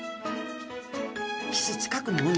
岸近くの海